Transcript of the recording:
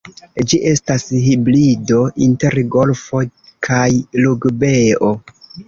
Ĝi estas hibrido inter golfo kaj rugbeo.